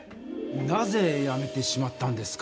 なぜやめてしまったんですか？